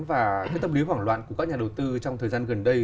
và tâm lý hoảng loạn của các nhà đầu tư trong thời gian gần đây